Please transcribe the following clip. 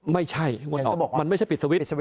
ไม่ใช่มันไม่ใช่ปิดสวิทธิ์